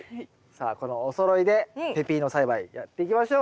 さあこのおそろいでペピーノ栽培やっていきましょう。